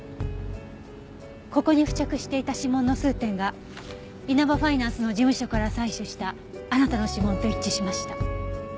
ここに付着していた指紋の数点が稲葉ファイナンスの事務所から採取したあなたの指紋と一致しました。